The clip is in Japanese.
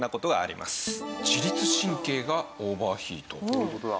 どういう事だ？